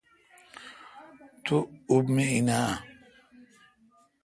تو اُب مے° این اں؟